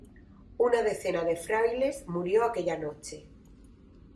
Una decena de frailes murió aquella noche.